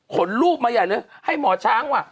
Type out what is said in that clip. ขนรูปมาให้หมอช้างว่ะ